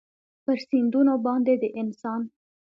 پر سیندونو باندې د انسان